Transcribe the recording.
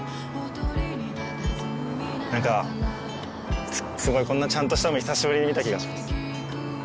何かこんなちゃんとした海久しぶりに見た気がします。